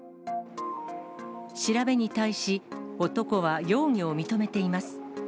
調べに対し、男は容疑を認めています。